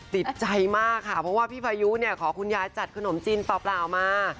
ติดใจมากค่ะเพราะว่าพี่พายุเนี่ยขอคุณยายจัดขนมจีนเปล่ามา